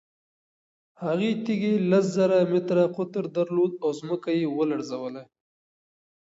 هغې تیږې لس زره متره قطر درلود او ځمکه یې ولړزوله.